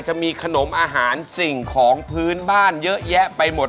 จะมีขนมอาหารสิ่งของพื้นบ้านเยอะแยะไปหมด